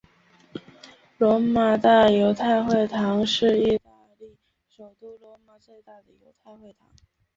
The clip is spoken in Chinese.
罗马大犹太会堂是意大利首都罗马最大的犹太会堂。